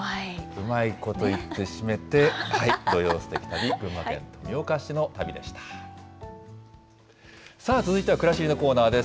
うまいこと言って締めて、はい、土曜すてき旅、群馬県富岡市さあ、続いてはくらしりのコーナーです。